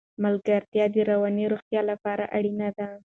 ملګرتیا د رواني روغتیا لپاره اړینه ده.